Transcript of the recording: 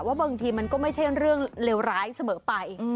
บางทีมันก็ไม่ใช่เรื่องเลวร้ายเสมอไป